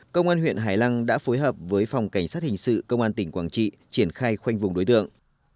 công an huyện hải lăng đã phối hợp với phòng cảnh sát hình sự công an tỉnh quảng trị triển khai khoanh vùng đối tượng